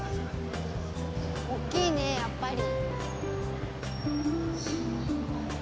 大きいね、やっぱり。